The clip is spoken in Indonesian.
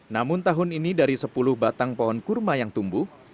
namun tahun ini dari sepuluh batang pohon kurma yang tumbuh